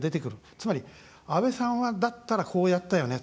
つまり、安倍さんだったらこうやったよね。